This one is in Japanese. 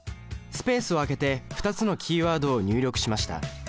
スペースを空けて２つのキーワードを入力しました。